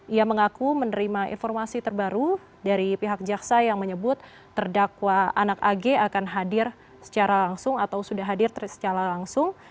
ia mengaku menerima informasi terbaru dari pihak jaksa yang menyebut terdakwa anak ag akan hadir secara langsung atau sudah hadir secara langsung